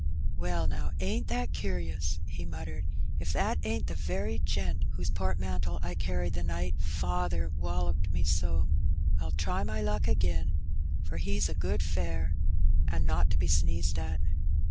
'^Well, now, ain't that cur'us!" he muttered. "If that ain't the very gent whose portmantle I carried the night faather woUoped me so. I'll try my luck agin, for he's a good fare, an' not to be sneezed at."